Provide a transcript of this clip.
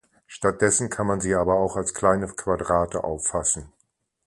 Stattdessen kann man sie aber auch als kleine Quadrate auffassen.